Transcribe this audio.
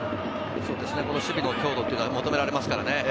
守備の強度が求められますからね。